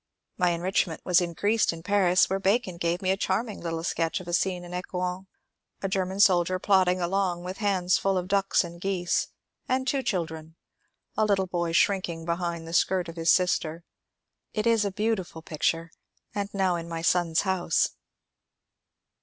My enrichment was increased in Paris, where Bacon gave me a charming little sketch of a scene in Ecouen, — a German sol dier plodding along with hands full of ducks and geese, and two children, — a little boy shrinking behind the skirt of his sister. It is a beautiful picture, and now in my son's house.